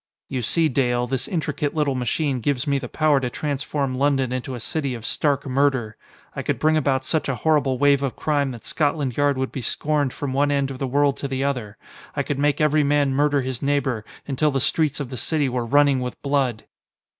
You see, Dale, this intricate little machine gives me the power to transform London into a city of stark murder. I could bring about such a horrible wave of crime that Scotland Yard would be scorned from one end of the world to the other. I could make every man murder his neighbor, until the streets of the city were running with blood!"